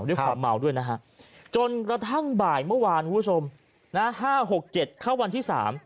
ด้วยความเมาด้วยนะฮะจนกระทั่งบ่ายเมื่อวานคุณผู้ชม๕๖๗เข้าวันที่๓